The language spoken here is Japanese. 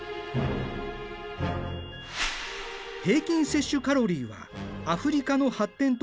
平均摂取カロリーはアフリカの発展途上国のおよそ２倍。